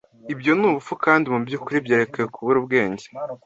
Ibyo ni ubupfu, kandi mu by’ukuri byerekana kubura ubwenge